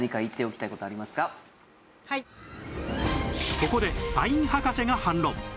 ここでパイン博士が反論